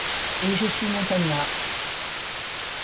Et je suis montagnard. -